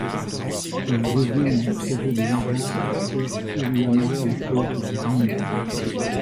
Il devine leur projet de vengeance qui sert évidemment la cause des Guise.